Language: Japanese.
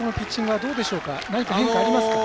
何か変化ありますか？